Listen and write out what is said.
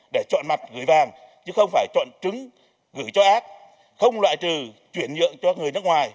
để chọn mặt gửi vàng chứ không phải chọn chứng gửi cho ac không loại trừ chuyển nhượng cho người nước ngoài